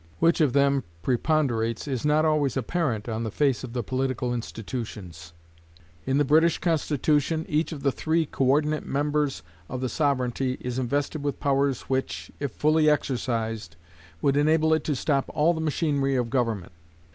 Which of them preponderates is not always apparent on the face of the political institutions. In the British Constitution, each of the three co ordinate members of the sovereignty is invested with powers which, if fully exercised, would enable it to stop all the machinery of government.